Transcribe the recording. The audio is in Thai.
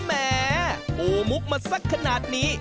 แหมปูมุกมาสักขนาดนี้